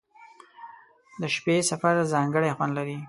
• د شپې سفر ځانګړی خوند لري.